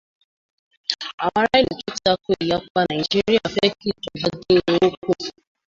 Àwọn ará ìlú tó tako ìyapa Nàíjíríà fẹ́ kí ìjọba dín owó kù